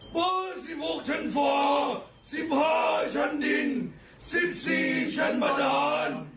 เปิดสิบหกชั้นฟ้าสิบห้าชั้นดินสิบสี่ชั้นประดาน